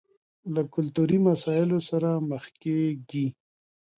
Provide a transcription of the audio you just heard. له کلتوري مسايلو سره مخ کېږي.